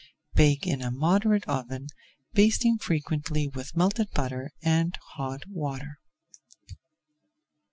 Bake in a moderate oven, basting frequently with melted butter and hot water.